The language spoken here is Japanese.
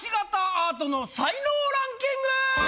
アートの才能ランキング！